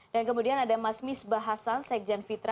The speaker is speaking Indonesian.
dan kemudian ada mas misbah hasan sekjen fitra